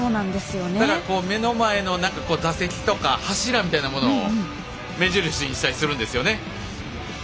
だから、目の前の座席とか柱みたいなものを目印にしたりするんですよね。